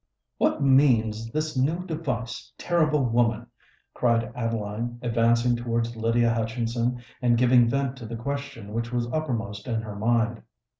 "What means this new device, terrible woman?" cried Adeline, advancing towards Lydia Hutchinson, and giving vent to the question which was uppermost in her mind.